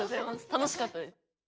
楽しかったです。